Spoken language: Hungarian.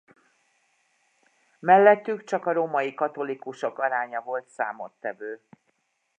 Mellettük csak a római katolikusok aránya volt számottevő.